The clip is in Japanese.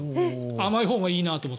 甘いほうがいいなと思って。